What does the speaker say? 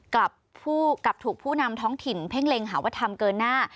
กลับถูกผู้นำท้องถิ่นเพ่งเล็งหาวัฒนธรรมเกินหน้า